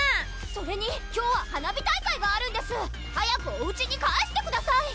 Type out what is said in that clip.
それに今日は花火大会があるんです早くおうちに帰してください！